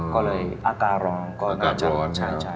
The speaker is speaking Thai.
ก็เลยอากาศร้อนก็น่าจะใช่